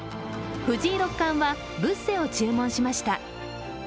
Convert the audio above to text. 藤井六冠はブッセを注文しました。